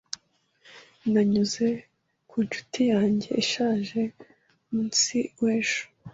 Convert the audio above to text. Nanyuze ku nshuti yanjye ishaje mu munsi w'ejo.